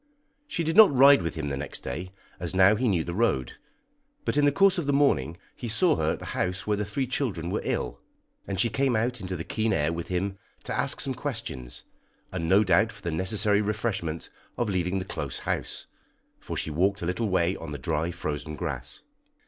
She did not ride with him next day, as now he knew the road, but in the course of the morning he saw her at the house where the three children were ill, and she came out into the keen air with him to ask some questions, and no doubt for the necessary refreshment of leaving the close house, for she walked a little way on the dry, frozen grass.